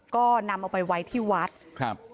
ก็นำเอาไปไว้ที่วัดครับ